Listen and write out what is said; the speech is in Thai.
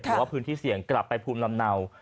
ว่าพื้นที่เสี่ยงกลับไปภูมิลำเนา